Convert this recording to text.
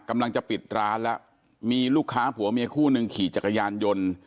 กำลังจะปิดร้านแล้วมีลูกค้าผัวเมียคู่หนึ่งขี่จักรยานยนต์